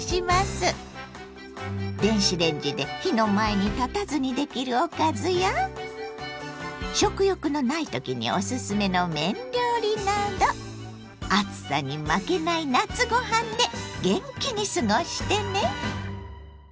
電子レンジで火の前に立たずにできるおかずや食欲のない時におすすめの麺料理など暑さに負けない夏ご飯で元気に過ごしてね！